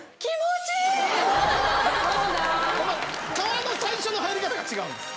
皮の最初の入り方が違うんです。